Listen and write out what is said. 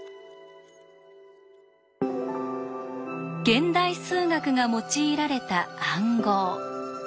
現代数学が用いられた暗号。